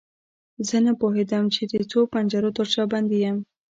زه نه پوهیدم چې د څو پنجرو تر شا بندي یم.